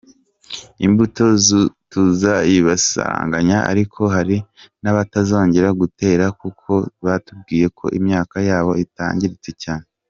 Imbuto tuzayibasaranganya ariko hari n’abatazongera gutera kuko batubwiye ko imyaka yabo itangiritse cyane.